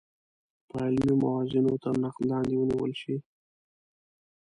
په علمي موازینو تر نقد لاندې ونیول شي.